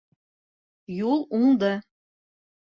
Юл уңды.